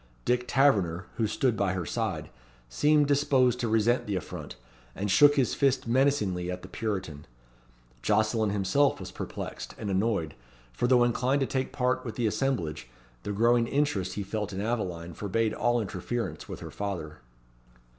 Dick Taverner, who stood by her side, seemed disposed to resent the affront, and shook his fist menacingly at the Puritan. Jocelyn himself was perplexed and annoyed, for though inclined to take part with the assemblage, the growing interest he felt in Aveline forbade all interference with her father.